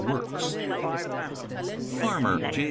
—Works. . a Farmer (J.